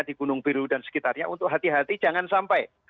di gunung biru dan sekitarnya untuk hati hati jangan sampai